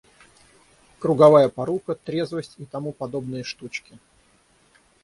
Круговая порука, трезвость и тому подобные штучки.